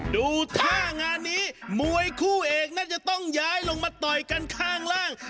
ดูท่างานนี้มวยคู่เอกน่าจะต้องย้ายลงมาต่อยกันข้างล่าง